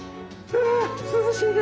あ涼しいね。